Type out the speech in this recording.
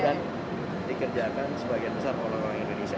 yang dikerjakan sebagian besar orang orang indonesia